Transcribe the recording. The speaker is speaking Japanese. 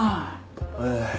ええ。